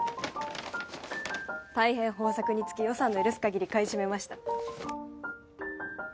大変豊作につき予算の許す限り買い占めました。